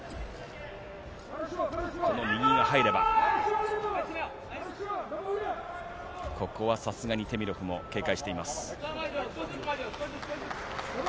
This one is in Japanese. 右が入れば、ここはさすがにテミロフも警戒しています。